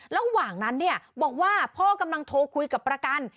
ระหว่างนั้นเนี่ยบอกว่าพ่อกำลังโทรคุยกับประกัน